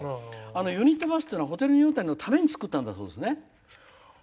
ユニットバスっていうのはホテルニューオータニのために作ったんだそうですね。